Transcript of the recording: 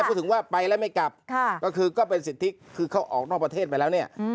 พูดถึงว่าไปแล้วไม่กลับก็คือก็เป็นสิทธิคือเขาออกนอกประเทศไปแล้วเนี่ย